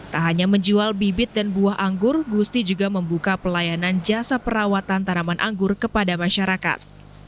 tak hanya menjual bibit dan buah anggur gusti juga membuka pelayanan jasa perawatan tanaman anggur kepada masyarakat